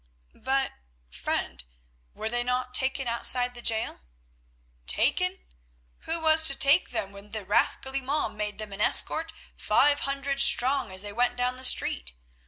"But, friend, were they not taken outside the gaol?" "Taken? Who was to take them when the rascally mob made them an escort five hundred strong as they went down the street?